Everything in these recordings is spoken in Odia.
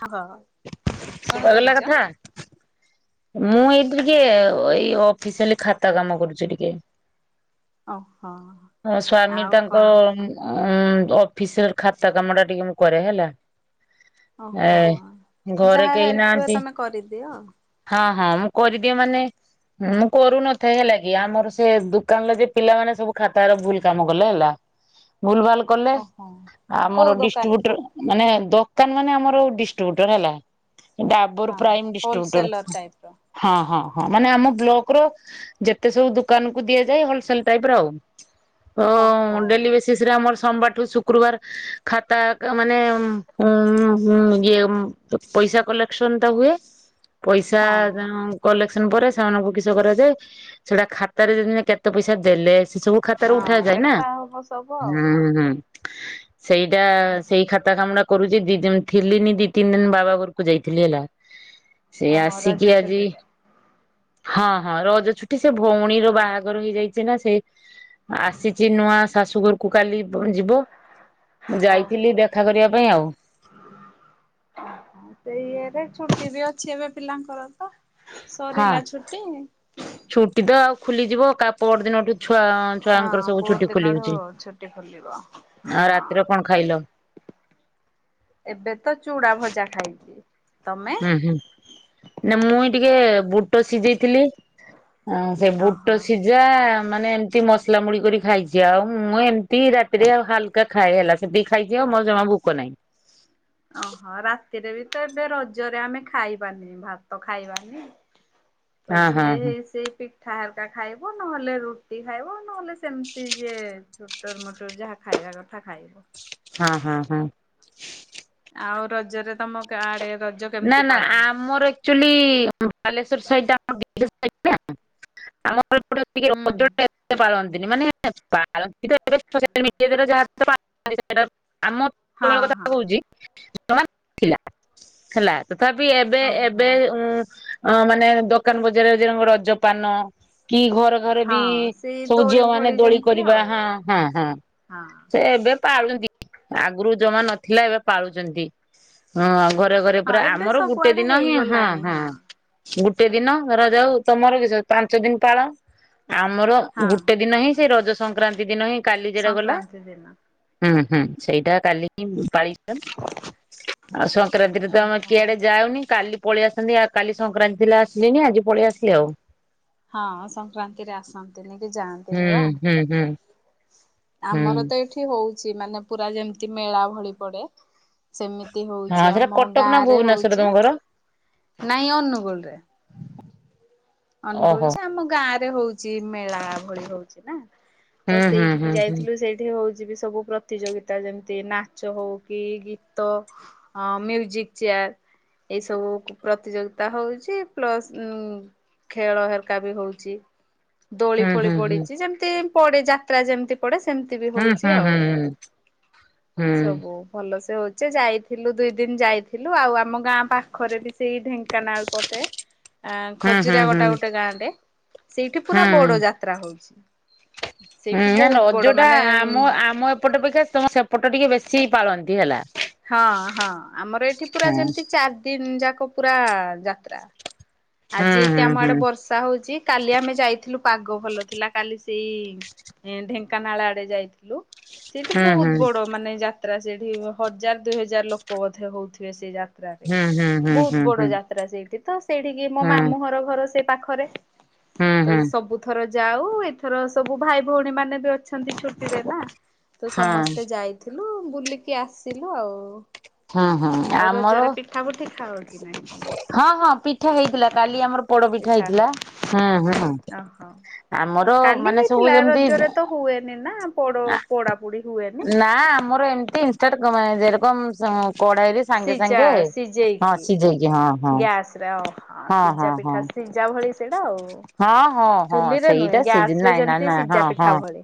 ହହ ସୁଭାଗଲା କଥା। ମୁଁ ଏଇଠି ଟିକେ ଏଇ ଅଫିସଆଲି ଖାତା କାମ କରୁଛି ଟିକେ। ଓ ହଁ ସ୍ଵାମୀ ତାଙ୍କ ଉଁ ଅଫିସର ଖାତା କାମ ଟା ଟିକେ ମୁଁ କରେ ହେଲା। ଏ ଓହୋ। ଘରେ ଯାହା କେହି ହେଲ୍ପ ହୁଏ ନାହାନ୍ତି ତମେ କରିଦିଅ ହଁ। ହଁ ମୁଁ କରିଦିଏ ମାନେ ମୁଁ କରୁନଥାଏ ହେଲା କି ଆମର ସେ ଦୋକାନର ଯେ ପିଲାମାନେ ସବୁ ଖାତା [unintelligible] ଭୁଲ କାମ କଲେ ହେଲା। ଭୁଲ ଭାଲ କଲେ ଓହୋ। ଆମର କୋଉ ଦୋକାନ କି? ଡିଷ୍ଟ୍ରିବ୍ୟୁଟର ମାନେ ଦ ତା ମାନେ ଆମର ଡିଷ୍ଟ୍ରିବ୍ୟୁଟର ହେଲା। ଡାବର ହଁ। ପ୍ରାଇମ୍ ଡିଷ୍ଟିବ୍ୟୁଟର ହୋଲସେଲର ଟାଇପ ର। ହଁ ହଁ। ହଁ ମାନେ ଆମ ବ୍ଲକ ର ଯେତେ ସବୁ ଦୋକାନକୁ ଦିଆଯାଏ ହୋଲସେଲ ଟାଇପ ର ଆଉ। ଓ ଓହୋ ଡେଲି ବେସିସ୍ ରେ ଆମର ସୋମବାରଠୁ ଶୁକ୍ରବାର ଖାତା ମାନେ [inaudible] ଏ ପଇସା କଲେକ୍ସନ୍ ଟା ହୁଏ। ପଇସା ହଁ। କଲେକ୍ଟ ପରେ ସେମାନଙ୍କୁ କିସ କରାଯାଏ ସେଟା ଖାତାରେ କେତେ ପଇସା ଦେଲେ ସବୁ ଖାତାରୁ ଉଠା ହଁ ଯାଏ ନା ଲେଖା ହବ ସବୁ ହୁଁ ଆଉ। ହୁଁ। ସେଇଟା ସେଇ ଖାତା କାମ ଟା କରୁଛି ଦି ଦିନ ଥିଲିନି ଦି ତିନି ଦିନ ବାବା ଘରକୁ ଯାଇଥିଲି ହେଲା। ସେ ଓହୋ ରଜ ଆସିକି ଆଜି ଛୁଟିରେ ହଁ ହଁ ରଜ ଛୁଟି ଏଠି ସେ ଭଉଣୀର ବାହାଘର ହେଇଯାଇଛି ନା ସେ ଆସିଛି ନୂଆ ଶାଶୁଘରକୁ କାଲି ପୁଣି ଯିବ ମୁଁ ଯାଇଥିଲି ଓହୋ। ଦେଖା କରିବା ପାଇଁ ଆଉ। ସେଇ ଇଏରେ ଛୁଟି ବି ଅଛି ଏବେ ପିଲାଙ୍କର ତ ହଁ ସରିଲା ଛୁଟି। ଛୁଟି ତ ଆଉ ଖୋଲିଯିବ କା ପର ଦିନଠୁ ଛୁଆ ଛୁଆଙ୍କର ହଁ ସବୁ ପହର ଛୁଟି ଦିନଠୁ ଖୋଲୁଛି। ଛୁଟି ଖୋଲିବ ଆ ହଁ। ରାତିରେ କଣ ଖାଇଲ? ଏବେ ତ ଚୁଡା ଭଜା ଖାଇଛି। ହୁଁ ହୁଁ। ନା ମୁଇଁ ଟିକେ ବୁଟ ସିଝେଇଥିଲି ଆ ସେ ଓହୋ। ବୁଟ ସିଝା ମାନେ ଏମିତି ମସଲା ମୁଡି କରି ଖାଇଛି ଆଉ ମୁଁ ଏମିତି ରାତିରେ ହାଲକା ଖାଏ ହେଲା। ସେତିକି ଖାଇଛିି ଆଉ ମତେ ଜମା ଭୋକ ନାହିଁ। ଓହୋ ରାତିରେ ବି ତ ଏବେ ରଜରେ ଆମେ ଖାଇବାନି ଭାତ ଖାଇବାନି। ତ, ହଁ ହଁ ଜିଏ ହଁ ହେଇ, ସିଏ ପି ସେ ହଲକା ଖାଇବ ନହେଲେ ରୁଟି ଖାଇବ ନହେଲେ ସେମିତି ଯିଏ ଛୋଟର ମୋଟର ଯାହା ଖାଇବ। [unintelligible] କଥା ଖାଇବ। ହଁ ହଁ ହଁ। ଆଉ ରଜରେ ତମଗାଁ ଆଡେ ରଜ ନା କେମିତି ନା ପାଳନ ହୁଏ? ଆମର ଆକ୍ଚୁଆଲି ବାଲେଶ୍ୱର ସାଇଟ ଟା ଆମ ହୁଁ [unintelligible] ତିନି ଦିନ [unintelligible] ଆମ ଛୋଟ ବେଳ ହଁ କଥା ହଁ କହୁଛି [unintelligible] ଥିଲା ହେଲା। ତଥାପି ଏବେ ଓହୋ। ଏବେ ଉଁ ହଁ ମାନେ ଦୋକାନ ବଜାରରେ [unintelligible] ରଜ ପାନ କି ଘରେ ଘରେ ବି ହଁ ସେଇ ସବୁ ଦୋଳି ଝିଅ ମାନେ ଫୋଳି ଦୋଳି ଯେମିତି କରିବା ଆଉ ହଁ ହଁ ହଁ ହଁ। ସେ ଏବେ ପାଳୁଛନ୍ତି ଆଗରୁ ଜମା ନଥିଲା ଏବେ ପାଳୁଛନ୍ତି ହଁ, ଘରେ, ଘରେ, ହଁ ପୂରା ଏବେ ଆମର ଗୋଟିଏ ସବୁଆଡେ ଦିନ ହିଁ, ହଁ ହେଇଗଲାଣି ହଁ। ଗୋଟେ ଦିନ ଧର ଯାଉ, ତମର କିଶ, ପାଞ୍ଚ ଦିନ ପାଳ ଆମର ହଁ ଗୋଟିଏ ଦିନ ହିଁ, ସେ ରଜ ସଂକ୍ରାନ୍ତି ଦିନ ହିଁ। କାଲି ଯେଟା ଗଲା ସଂକ୍ରାନ୍ତି ଦିନ। ହୁଁ, ହୁଁ, ସେଇଟା କାଲି ହିଁ ପାଳିଛନ୍ତି ଆଉ ସଂକ୍ରାନ୍ତିରେ ତ ଆମେ ଓହୋ। ସିଆଡେ଼ ଯାଉନି କାଲି ପଳେଇଆସିଥାନ୍ତି କାଲି ସଂକ୍ରାନ୍ତି ଥିଲା ଆସିଲନି ଆଜି ପଳେଇ ଆସିଲି ଆଉ। ହଁ, ସଂକ୍ରାନ୍ତିରେ ଆସନ୍ତିନି କି ହୁଁ ଜାଆନ୍ତିନି ବା ହୁଁ ହୁଁ ହୁଁ ଆମର ତ ଏଠି ହଉଛି, ମାନେ ପୂରା ଯେମିତି ମେଳା ଭଳି ପଡେ। ସେମିତି ହଁ ହଉଛି ସେଟା ଆମ କଟକ ନା ଗାଁ ରେ ଭୁବନେଶ୍ଵର ତମ ହଉଛି। ଘର? ନାଇଁ ଅନୁଗୁଳରେ ଅନଗୁଳ ଓହୋ ଯେ ଆମ ଗାଁ ରେ ହଉଛି, ମେଳା ଭଳି ହଉଛି ନା। ତ, ହୁଁ ହୁଁ ସେଇଠିକି ହୁଁ ଯାଇଥିଲୁ, ସେଇଠି ହଉଛି ବି ସବୁ ପ୍ରତିଯୋଗିତା ଯେମିତି, ନାଚ, ହଉ କି, ଗୀତ, ମ୍ୟୁଜିକ ଚେୟାର। ଏଇସବୁ ପ୍ରତିଯୋଗିତା ହଉଛି ପ୍ଲସ ଟୁ। ଖେଳ ହେରକା ବି ହଉଛି, ଦୋଳି ହୁଁ ଫୋଳି ହୁଁ ହୁଁ ପଡିଛି, ଯେମିତି ପଡେ ଯାତ୍ରା ଯେମତି। ପଡେ ସେମିତି ବି ହୁଁ ହଉଛି ହୁଁ ହୁଁ ହୁଁ ଆଉ ହୁଁ। ସବୁ ଭଲସେ ହଉଚି ଯାଇଥିଲୁ ଦୁଇ ଦିନ ଯାଇଥିଲୁ ଆଉ ଆମ ଗାଁ ପାଖରେ ବି ସେଇ ଢେଙ୍କାନାଳ ପଟେ। ଆଁ, ହୁଁ ହୁଁ ହୁଁ ଖଜୁରିଆଗଟା ଗୋଟେ ଗାଁ ଟେ ସେଇଠି ହୁଁ ପୁରା ହୁଁ ବଡ ଯାତ୍ରା ହଉଛି। ହୁଁ, ସେଇଠି ନା ବହୁତ ବଡ ରଜ ଟା ମାନେ ଆମ, ଆମ ଏପଟ ଅପେକ୍ଷା ତମ ସେପଟ ଟିକେ ବେଶୀ ପାଳନ୍ତି ହେଲା। ହଁ, ହଁ, ଆମର ଏଠି ପୂରା ହଁ। ଯେମିତି ଚାରି ଦିନ ଚାରି ଦିନ ଯାକ ପୁରା ଯାତ୍ରା। ହୁଁ ଆଜି ଏଠି ଆମ ହୁଁ ଆଡେ ବର୍ଷା ହଉଛି କାଲି ଆମେ ଯାଇଥିଲୁ ପୁରୀ। ପାଗ ଭଲ ଥିଲା କାଲି ସେଇ, ଢେଙ୍କାନାଳ ଆଡେ ଯାଇଥିଲୁ। ସେଇଠି ହୁଁ ହୁଁ ବହୁତ ବଡ ମାନେ ଯାତ୍ରା ସେଠି ହଜାର, ଦୁଇହଜାର, ଲୋକ ବୋଧେ ହଉଥିବେ ସେ ଯାତ୍ରାରେ। ଯାତ୍ରାରେ, ହୁଁ ହୁଁ ହୁଁ ହୁଁ ହୁଁ ବହୁତ ହୁଁ ବଡ ହୁଁ ଯାତ୍ରା ସେଇଠି ତ ସେଇଠିକି ମୋ ମାମୁଁଘର, ଘର ସେ ପାଖରେ। ତ, ହୁଁ ସବୁଥର ଯା। ଯାଉ ଏଥର ସବୁ ଭାଇ ଭଉଣୀ ମାନେ ବି ଅଛନ୍ତି ଛୁଟିରେ ନା ତ ହଁ ସମସ୍ତେ ଯାଇଥିଲୁ। ହୁଁ ବୁଲିକି ଆସିବୁ ଆଉ। ହଁ, ହଁ ଆଉ ଆମର ରଜରେ ପିଠା ପୁଠି ଖାଅ କି ନାଇଁ ତମେ ହଁ, ହଁ ପିଠା ହୁଏ। ହେଇଥିଲା କାଲି ଆମର ପୋଡପିଠା ପିଠା ହେଇଥିଲା, ହୁଏ ହଁ, ହଁ ଓହୋ। କାଲି ହେଇଥିଲା ରଜରେ ତ ହୁଏନି ନା ପୋଡ ପୋଡାପୋଡି। ନା ଆମର ଏମିତି ଇନଷ୍ଟାଟ କମାଏନି। ସିଝା, ହଁ ସିଝେଇଛି ସିଝେଇକି ହଁ ହଁ ଗ୍ୟାସ ରେ, ହଁ ସିଜାପିଠା, ସିଝା, ଭଳି। ସେଇଟା ଆଉ। ହଁ, ହଁ, ହଁ, ଚୁଲିରେ ନୁହେଁ ସେଇଟା ଗ୍ୟାସ ସିଜି ରେ ନାଇଁ, ନାଇଁ, ଯେମିତି ନା, ସିଝା ହଁ, ପିଠା ହଁ ଭଳି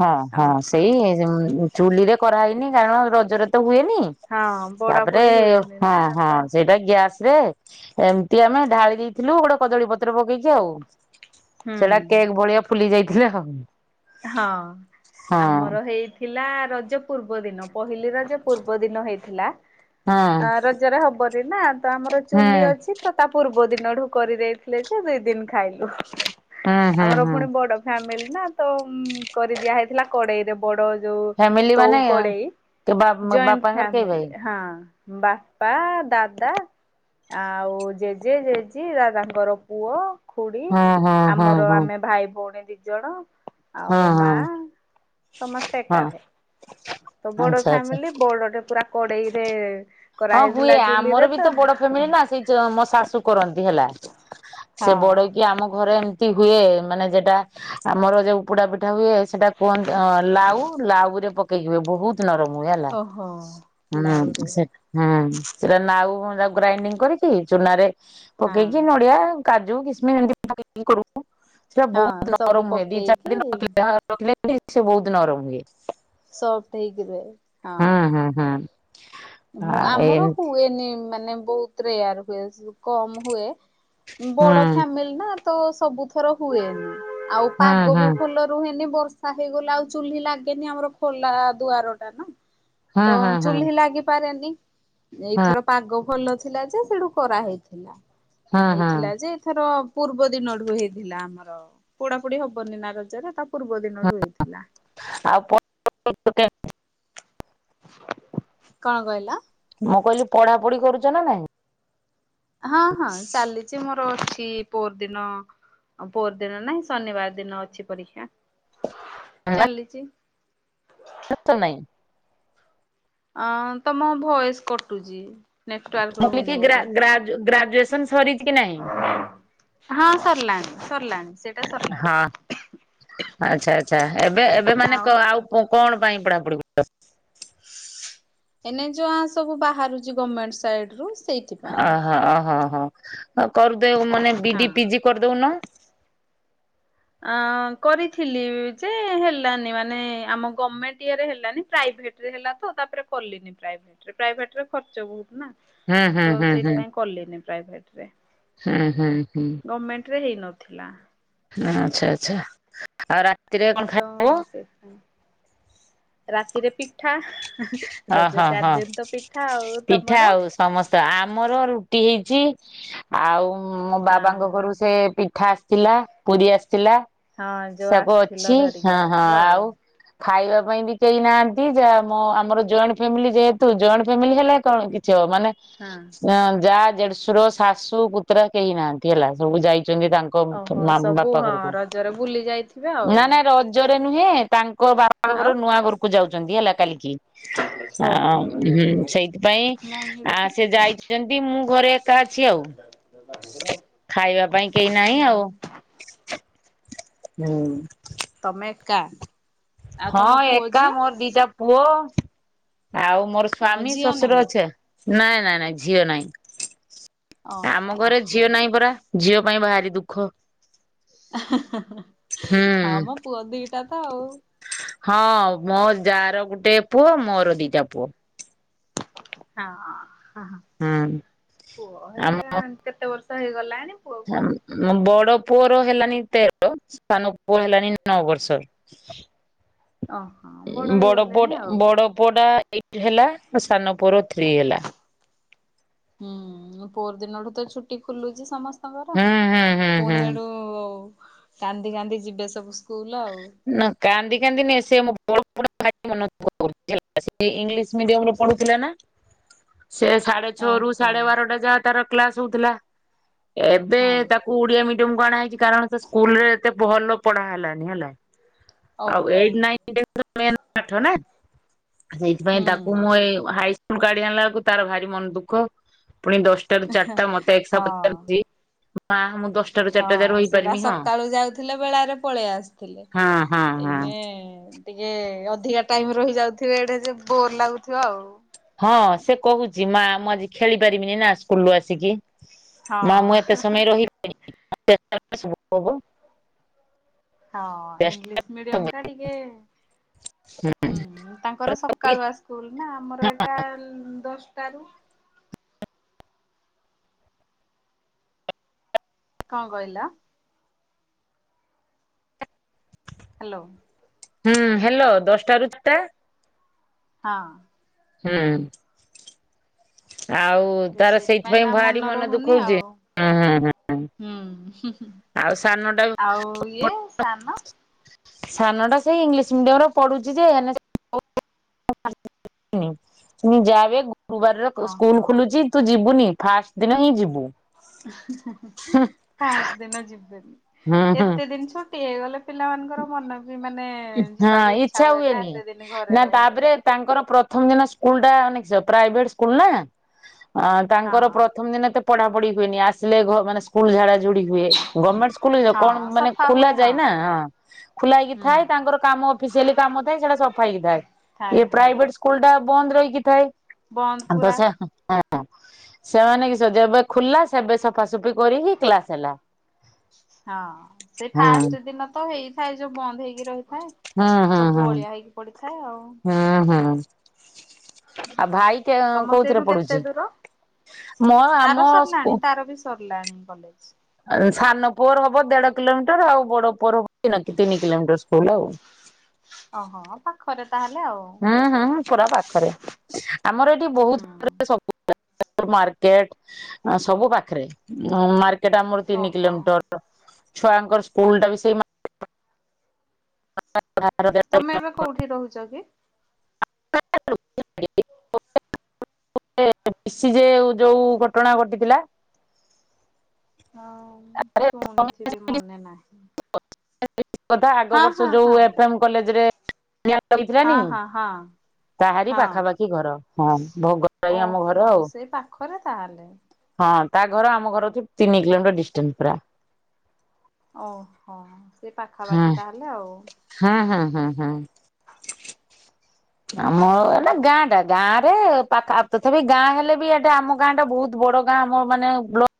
ହଁ, ହଁ ଓହୋ ସେଇ ଚୂଲିରେ କରାହେଇନି, କାରଣ ରଜରେ ତ ହୁଏ। ହଁ। ପୋଡା ହୂତାପରେ ପୋଡି ହୁଏନି ହଁ ନା ହଁ ତ ସେଇଟା ଗ୍ୟାସ ରେ ଏମିତି ଆମେ ଢାଳି ଦେଇଥିଲୁ ଗୋଟେ କଦଳୀ ପତ୍ର ପକେଇକି ଆଉ। ହୁଁ ସେଟା କେକ୍ ଭଳିଆ ଫୁଲି ଯାଇଥିଲେ ଆଉ। ହଁ ଆମର ହେଇଥିଲା ରଜ ପୂର୍ବ ଦିନ। ପହିଲିରଜ ପୂର୍ବଦିନ ହେଇଥିଲା। ହଁ ଅ ରଜରେ ହବନି ନା ତା ଆମର ହଁ ଚୁଲି ହୁଁ। ଅଛିତ ତା ପୂର୍ବ ଦିନ। ଦିନଠୁ କରିଦେଇଥିଲେ ଯେ ଦୁ ଦିନ ଖାଇଲୁ ହୁଁ ହୁଁ ଆମର ହୁଁ ପୁଣି ବଡ ଫାମିଲି ନା ତୁମ୍ କରିଦିଆ ହେଇଥିଲା କଡେଇରେ ବଡ ଯୋଉ ଫ୍ୟାମିଲି ତୋ ମାନେ କଡେଇ ଜଏଣ୍ଟ ବାପାଙ୍କର କେହି ଭାଇ? ଫ୍ୟାମିଲି ହଁ। ବାପା, ଦାଦା ଆଉ ଜେଜେ ଜେଜେ ଦାଦାଙ୍କର ପୁଅ ଖୁଡି ହଁ ହଁ ହଁ ଆମର ହଁ ଆମେ ଭାଇ ଭଉଣୀ ଦି ଜଣ ଆଉ ହଁ ମା ହଁ ସମସ୍ତେ ହଁ ଏକାଠେ ତ ବଡ ଆଚ୍ଛା ଆଚ୍ଛା। ଫ୍ୟାମିଲି ବଡଟେ ପୁରା କଡେଇରେ ହଁ ବୁଇ କରାହେଇଥିଲା ଆମର ଚୁଲିରେ ତ ବିତ ବଡ ଫ୍ୟାମିଲି ନା ସେଇ ମୋ ଶାଶୁ କରନ୍ତି ହେଲା। ସେ ହଁ। ବଢେଇକି ଆମ ଘରେ ଏମିତି ହୁଏ ମାନେ ଯେଟା ଆମର ଯଉ ପୋଡା ପିଠା ହୁଏ ସେଟା କୁହନ୍ତି ଲାଉ ଲା ଲାଉରେ ପକେଇକି ହୁଏ ବହୁତ ନରମ ହୁଏ ହେଲା ଓହୋ ହୁଁ ଲାଉରେ। ହଁ ସେଟା ନାଉ ଟାକୁ ଗ୍ରାଇଣ୍ଡିଙ୍ଗ କରିକି ଚୁନା ରେ ହଁ ପକେଇକି ନଡିଆ କାଜୁ କିସମିସ ଏମିତି ପକେଇଲି କରୁ। ସେଟା ହଁ ବହୁତ ସବୁ ନରମ ହୁଏ। ଦି ଚାରି ଦିନ ପକେଇକି ରଖିଲେ ରଖିଲେ ସେ ବହୁତ ନରମ ହୁଏ। ସପ୍ ଟ ହେଇକି ରୁହେ। ହଁ। ହୁଁ ହୁଁ ହୁଁ। ମୁଁ ଆଉ ଆମର ଏମତି ହୁଏନି ମାନେ ବହୁତ ରେୟାର ହୁଏ କମ ହୁଏ ହୁଁ ବଡ ଫ୍ୟାମିଲି ନା ତ ସବୁଥର ହୁଏନି। ଆଉ ହୁଁ ପାଗ ବି ଫୁଲ ରୁହେନି। ବର୍ଷା ହେଇଗଲା ଆଉ ଚୁଲି ଲାଗେନି ଆମର ଖୋଲା ଦୁଆର ଟା ନା ତ ହୁଁ ହୁଁ ହୁଁ ହୁଁ ହୁଁ ଚୁ୍ଲି ଲାଗିପାରେନି ଏଇଥର ପାଗ ଭଲ ଥିଲା ଯେ ସେଠୁ କରାହେଇଥିଲା ହୁଁ ହୁଁ ହେଇଥିଲା ଯେ ଏଥର ପୂର୍ବ ଦିନଠୁ ହେଇଥିଲା ଆମର ପୋଡାପୋଡି ହବନି ନା ରଜରେ ତା ପୂର୍ବ ଦିନଠୁ ହେଇଥିଲା। ଆଉ କଣ କହିଲ? ମୁଁ କହିଲି ପଢା ପଢି କରୁଛ ନା ନାଇଁ। ହଁ ହଁ ଚାଲିଛି ମୋର ଅଛି ପୋର ଦିନ ଆଉ ପୋର ଦିନ ନାହିଁ ଶନିବାର ଦିନ ଅଛି ପରୀକ୍ଷା ଚାଲିଛି। ନାଇଁ। ଅ ତମ ଭଏସ୍ କଟୁଚି। ମୁଁଲ କି ଗ ଗ ଗ୍ରେଜୁଏସନ୍ ସରିଛି? କି ନାହିଁ? ହଁ ସରିଲାଣି ସରିଲାଣି। ସେଇଟା ସରିଲାଣି ହଁ ଆଚ୍ଛା ଆଚ୍ଛା ଏବେ ଏବେ ମାନେ ଆଉ କଣ ପାଇ ପଢା ପୁଡି କରୁଛି? ଏନେ ଯୋଆ ସବୁ ବାହାରୁଛି ଗମେଣ୍ଟ ସାଇଡ ରୁ ସେଇଥିପାଇଁ। ଅହୋ ଅହ ହୋ କରଦଉ ମାନେ ବି ହଁ। ଡି ପିଜି କରିଦଉନ। ଆଉ କରିଥିଲି ଯେ ହେଲାନି ମାନେ ଆମ ଗମେଣ୍ଟ ଇଏରେ ହେଲାନ ପ୍ରାଇଭେଟ ପ୍ରାଇଭେଟ୍ ହେଲାତ ତାପରେ କଲିନି ପ୍ରାଇଭେଟ ଖର୍ଚ୍ଚ ବହୁତ ନା। ହୁଁ ହୁଁ ତ ହୁଁ ହୁଁ ସେଥିପାଇ କଲେନି ପ୍ରାଇଭେଟରେ ହୁଁ ହୁଁ ହୁଁ ଗମେଣ୍ଟ ରେ ହେଇ ନଥିଲା। ଆଚ୍ଛା ଆଛା ଆ ତ ସେଥିପାଇ ରାତିରେ ପିଠା ରଜ ଓହୋ ହଁ ଚାରି ଦିନ ତ ପିଠା ଆଉ ପିଠା ତମର? ଆଉ ସମସ୍ତ ଆମର ରୁଟି ହେଇଛି। ଆଉ ମୋ ବାବାଙ୍କ ହଁ ଘରୁ ସେ ପିଠା ଆସିଥିଲା ପୁରୀ ଆସି ଥିଲା ହଁ ଯୋଉ ସବୁ ଆସିଥିଲ ଅଛି ଧରିକି ହଁ ହଁ ଆସିଥିବ ଆଉ ଖାଇବା ପାଇଁ ବି କେହି ନାହାନ୍ତି ଯା ଆମର ଜଏଣ୍ଟ ଫ୍ୟାମିଲି ଯେହେତୁ ଜଏଣ୍ଟ ଫ୍ୟାମିଲି ହେଲା କଣ କିଛି ଅ ମାନେ ହଁ। ଯା ଜଢଶୁର ଶାଶୁ କୁତ୍ରା କେହି ନାହାନ୍ତି ହେଲା ସବୁ ଯାଇକି ତାଙ୍କ ଓହୋ ସବୁ ବାପା ହଁ ଘରକୁ ରଜରେ ବୁଲି ଯାଇଥିବେ ଆଉ ନା ନା ରଜ ନୁହେଁ ତାଙ୍କ ବାପ ଘର ଆଉ ନୂଆ ଘରକୁ ଯାଉଛନ୍ତି ହେଲା କାଲିକି ଆ ଓହୋ। ହଁ ସେଇଥିପାଇଁ ନାଇଁ ହେଠୁ ଆ ଫିଟି ସେ ଯାଇଛି ଯାଇଛନ୍ତି ମୁଁ ଘରେ ଏକା ଅଛି ଆଉ। [inaudible] ଖାଇବା ପାଇଁ କେହି ନାହିଁ ହୁଁ। ଆଉ ହୁଁ। ତମେ ଏକା? ଆଉ ହଁ ତମ ପୁଅ ଏକା ଝିଅ ମୋର ଦିଟା ପୁଅ ଆଉ ମୋର ଓହୋ ସ୍ଵାମୀ ଝିଅ ଶଶୁର ନାହିଁ। ଅଛ ନାଇଁ ନାଇଁ ନାଇଁ ଝିଅ ନାଇଁ। ଆମ ଓହୋ ଘରେ ଝିଅ ନାହିଁ ପରା ଝିଅ ପାଇଁ ବାହାରି ଦୁଃଖ। ଏ ହେଁ ହେଁ ହେଁ ହୁଁ ହଁ ମୋ ପୁଅ ଦିଟା ତ ଆଉ। ହଁ ମୋ ଯାଆ ର ଗୁଟେ ପୁଅ ମର ଦିଟା ପୁଅ। ହଁ ହୁଁ ପୁଅ ଆମ ହେଲେ କେତେ ବର୍ଷ ହେଇଗଲାଣି? ପୁଅକୁ? ବଡ ପୁଅର ହେଲାନି ତେର ସାନ ପୁଅ ହେଲାଣି ନଅ ବର୍ଷର। ଅ। ବଡ ପୁଅଟା ବଡ ପୁଅଟା ଏଇଟ୍ ହେଲା। ମୋ ସାନ ପୁଅ ର ଥ୍ରୀ ହେଲା। ହ ହୁଁ ପୋର ଦିନଠୁ ତ ଛୁଟି ଖୋଲୁଚି ସମସ୍ତେ ସ୍ତଙ୍କର ହୁଁ ହୁଁ ହୁଁ ହୁଁ। ପୁଣି ଆଡୁ କାନ୍ଦି କାନ୍ଦି ଯିବେ ସବୁ ସ୍କୁଲ। ଆଉ। ନା କାନ୍ଦି କାନ୍ଦିନିଏ ସେ ମୋ [inaudible] ଇଂଲିଶ ମିଡିଅମ୍ ରେ ପଢୁଥିଲା ନା? ସେ ସାଢେ ଛଅ ରୁ ଓହୋ ସାଢେ ବାରଟା ଯାହା ତାର କ୍ଲାସ ହଉଥିଲା। ଏବେ ହଁ ତାକୁ ଉଡିଆ ମିଡିୟମକୁ ଆଣା ହେଇଚି କାରଣ ସେ ସ୍କୁଲ ରେ ଏତେ ଭଲ ପଢା ହେଲାନି ହେଲା। ଆଉ ଓହୋ ଏଇଟ୍ ନାଇନ୍ ରେ ତ ମେନ୍ ପାଠ ନା। ସେଇଥିପାଇଁ ହୁଁ। ତାକୁ ମୁଁ ଏ ହାଇ ସ୍କୁଲ କାଢି ଆଣିଲା ବେଳକୁ ତାର ଭାରି ମନ ଦୁଃଖ। ପୁଣି ଦଶଟାରୁ ଚାରିଟା ମତେ ଏକସହ ହଁ ପଚାରୁଚି ମା ମୁଁ ଦଶ୍ ହଁ ସେଟା ସକାଳୁ ଯାଉଥିଲେ ବେଳାରେ ପଳେଇ ଆସଥୁଲେ ହଁ ହଁ ହଁ ଏଇନେ ଟିକେ ଅଧିକା ଟାଇମ୍ ରହି ଯାଉଥିବେ ଏଇଟେ ଯେ ବୋର ଲାଗୁଥିବ ଆଉ। ହଁ ସେ କହୁଚି ମା ମୁଁ ଆଜି ଖେଳି ପାରିବିନି ନା ସ୍କୁଲରୁ ଆସିକି। ମା ମୁଁ ଏତେ ହଁ ସମୟ ରହିପାରିବି? [inaudible] ହଁ ଇଂଲିଶ ମିଡିୟମ ଟା ଟିକେ ହୁଁ ତାଙ୍କର ସକାଳୁଆ ସ୍କୁଲ ନା ଆମର ଏଇଟା ଦଶଟା ରେ କଁ କହିଲ? ହ୍ୟାଲୋ। ହୁଁ ହେଲୋ ଦଶଟା ରୁ ଚାରଟା। ହଁ। ହୁଁ। ଆଉ ତାର ସେଇଥିପାଇଁ ତା ଭାରି ମନ ଦୁଃଖ ରହୁନି ହଉଚି ଆଉ। ଯେ। ହୁଁ ଆଉ ସାନ ଟା ଆଉ ଇଏ ସାନ [unintelligible] ସାନ ଟା ସେଇ ଇଂଲିଶ ମିଡିୟମ ରେ ପଢୁଚି ଯେ ଏନେ ମୁଁ ଯାବେ ଗୁରୁବାରର ସ୍କୁଲ ଓହୋ ଖୋଲୁଚି ତୁ ଯିବୁନି। ଫାଷ୍ଟ ଦିନ ହିଁ ଯିବୁ। ଉଁ ହୁଁ ହୁଁ ହୁଁ ଫାଷ୍ଟ ଦିନ ଯିବୁନି ହୁଁ ଏତେ ଦିନ୍ ଛୁଟି ହେ ଗଲେ ପିଲାମାନଙ୍କର ମନ ବି ମାନେ ହଁ ଯିବାକୁ ଇଚ୍ଛା ହୁଏ ନା ହୁଏନି ଏତେ ଦିନ ଘରେ ନା ତାପରେ ରହିଗଲେ ତାଙ୍କର ପ୍ରଥମ ଦିନ। ସ୍କୁଲ ଟା ନାଇକି ସେଇ ପ୍ରାଇଭେଟ୍ ସ୍କୁଲ ନା ଆଉ ତାଙ୍କର ହଁ ପ୍ରଥମ ଦିନ ଏତେ ପଢାପଢି ହୁଏନି। ଆସିଲେ ଘର୍ ମାନେ ସ୍କୁଲ ଝାଡା ଝୁଡି ହୁଏ। ଗମେଣ୍ଟ ସ୍କୁଲରେ ହଁ କଣ ମାନେ ସଫା ଖୋଲା ହୁଏ ଯାଏ ନା ହଁ ଖୋଲା ହେଇକି ହୁଁ ଥାଏ। ତାଙ୍କର କାମ ଅଫିସିଆଲି କାମ ଥାଏ ସେଟା ସଫା ହେଇକି ଥାଏ। ଥାଏ ଇଏ ହଁ ପ୍ରାଇଭେଟ ସ୍କୁଲ ଟା ବନ୍ଦ ରହିକିଥାଏ। ବନ୍ଦ ତ ପୁରା ସେ ହଁ ସେମାନେ କି ସେ ଯେବେ ଖୋଲା ସେବେ ସଫାସଫି। ସଫି କରିକି କ୍ଲାସ ହେଲା ହୁଁ। ହେରା ଯଉ ବନ୍ଦ ହେଇକି ରହି ହଁ ହଁ ହଁ ହଁ ହଁ। ତମର କୋଉଥିରେ ସେଇଠୁ ପଢୁଛି? କେତେ ଦୂର? ମୋ ଆମ ତାର ସରିଲାଣି ତାର ବି ସରିଲାଣି କଲେଜ। ଆ ସାନ ପୁଅର ହବ ଦେଢ କିଲୋମିଟର ଆଉ ବଡ ପୁଅର ହବ ତିନ ତିନି କିଲୋମିଟର ସ୍କୁଲ ଆଉ। ହ ଅହ ପାଖରେ। ତାହେଲେ ଆଉ। ହୁଁ ହୁଁ ପୁରା ପାଖରେ ଆମର ଏଠି ହୁଁ ବହୁତ [unintelligible] ସବୁ ପୁରା। ମାର୍କେଟ ସବୁ ପାଖରେ ନୂଆ ମାର୍କେ ସେଟା ଆମର ତିନି ଓହୋ କିଲୋମିଟର ଛୁଆଙ୍କର ସ୍କୁଲ ଟା ବି ସେଇ ହଁ। ତମେ ଏବେ କୋଉଠି ରହୁଛ କି? [unintelligible] [unintelligible] ମିଶି ଯେ ଯୋଉ ଘଟଣା ଘଟିଥିଲା। ହଁ ଶୁଣିଥିବି ମନେ ନାହିଁ। ଆଗ ହଁ ବର୍ଷୋ ହଁ ଯୋଉ ହଁ। ଏଫ୍ ଏମ କଲେଜରେ ନିଆଁ ଲାଗିଥିଲା ନି? ହଁ ହଁ ହଁ ତାହାରି ହଁ ପାଖାପାଖି ଘର ହଁ ଭୋଗରାଇ ଆମ ଓହୋ ଘର ଆଉ। ସେଇ ପାଖରେ ତାହେଲେ। ହଁ ତା ଘର ଆମ ଘରଠୁ ତିନି କିଲୋମିଟର ଡିଷ୍ଟାନ୍ସ ପୁରା। ଓହୋ ସେ ହୁଁ ପାଖାପାଖି ତାହେଲେ ଆଉ। ହୁଁ ହୁଁ ହୁଁ ହୁଁ। ଆମ ହୁଁ ହୁଁ। ଏଟା ଗାଁ ଟା ଗାଁ ରେ ପାଖ ତଥାପି ଗାଁ ହେଲେ ବି ଏଟା ଆମ ଗାଁଟା ବହୁତ ବଡ ଗାଁ ଆମ ମାନେ ବ୍ଲ